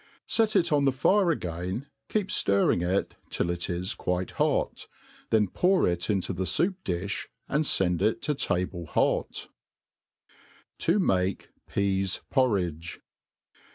Set it on the fire agtm» keep ftirrtng it till it is quite hot $ tbeii pour it into the foup difli, and Tend it to table hot* 7i maki PeaS' Porridgt.